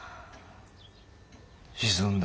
沈んだ